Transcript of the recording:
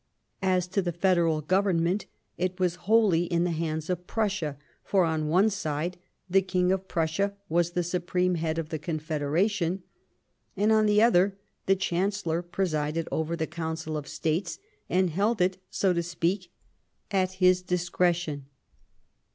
As to the Federal Government, it was wholly in the hands of Prussia, for, on one side, the King of Prussia was the Supreme Head of the Confederation, and, on the other, the Chancellor presided over the Council of States, and held it, so to speak, at his discretion.